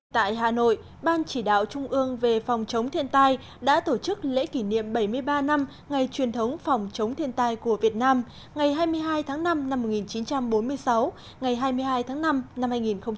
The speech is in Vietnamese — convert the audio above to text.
tại hà nội ban chỉ đạo trung ương về phòng chống thiên tai đã tổ chức lễ kỷ niệm bảy mươi ba năm ngày truyền thống phòng chống thiên tai của việt nam ngày hai mươi hai tháng năm năm một nghìn chín trăm bốn mươi sáu ngày hai mươi hai tháng năm năm hai nghìn một mươi chín